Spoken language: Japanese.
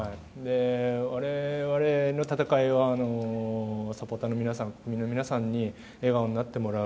我々の戦いをサポーターの皆さん日本の皆さんに笑顔になってもらう